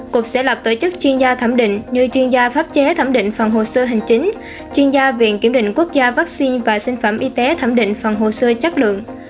cục sẽ lập tổ chức chuyên gia thẩm định như chuyên gia pháp chế thẩm định phòng hồ sơ hành chính chuyên gia viện kiểm định quốc gia vaccine và sinh phẩm y tế thẩm định phòng hồ sơ chất lượng